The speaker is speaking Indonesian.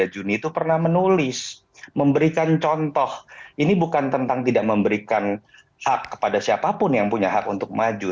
dua puluh juni itu pernah menulis memberikan contoh ini bukan tentang tidak memberikan hak kepada siapapun yang punya hak untuk maju